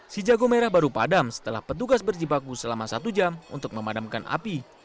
si jago merah baru padam setelah petugas berjibaku selama satu jam untuk memadamkan api